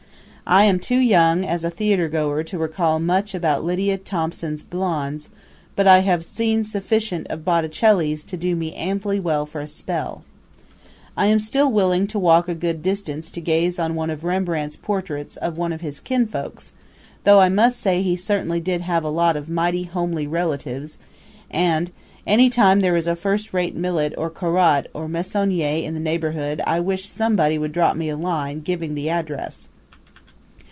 I am too young as a theatergoer to recall much about Lydia Thompson's Blondes, but I have seen sufficient of Botticelli's to do me amply well for a spell. I am still willing to walk a good distance to gaze on one of Rembrandt's portraits of one of his kinfolks, though I must say he certainly did have a lot of mighty homely relatives; and any time there is a first rate Millet or Corot or Meissonier in the neighborhood I wish somebody would drop me a line, giving the address.